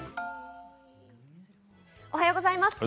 おはようございます。